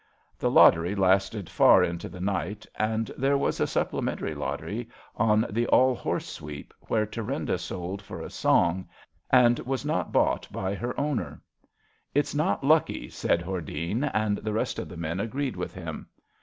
" The lottery lasted far into the night, and there was a supplementary lottery on the All Horse Sweep, where Thurinda sold for a song, and was not bought by her owner. ^^ It's not lucky," said Hordene, and the rest of the men agreed with him.